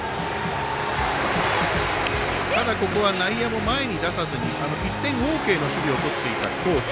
ただ、ここは内野も前に出さずに１点ＯＫの守備をとっていた高知。